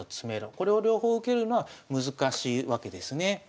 これを両方受けるのは難しいわけですね。